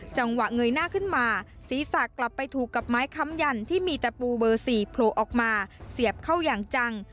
เงยหน้าขึ้นมาศีรษะกลับไปถูกกับไม้ค้ำยันที่มีตะปูเบอร์๔โผล่ออกมาเสียบเข้าอย่างจัง